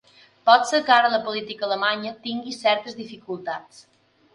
Pot ser que ara la política alemanya tingui certes dificultats.